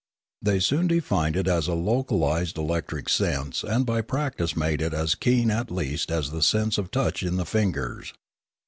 They soon defined it as a local ised electric sense and by practice made it as keen at least as the sense of touch in the fingers.